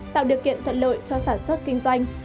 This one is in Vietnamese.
tạo điều kiện thuận lợi cho sản xuất kinh doanh